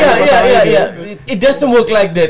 itu tidak berhasil seperti itu